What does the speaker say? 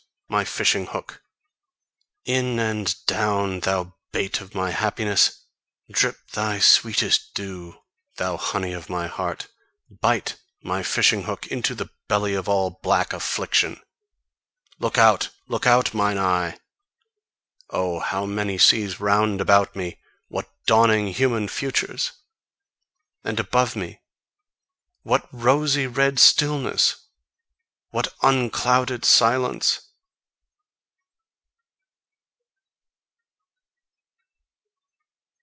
my fishing hook! In and down, thou bait of my happiness! Drip thy sweetest dew, thou honey of my heart! Bite, my fishing hook, into the belly of all black affliction! Look out, look out, mine eye! Oh, how many seas round about me, what dawning human futures! And above me what rosy red stillness! What unclouded silence!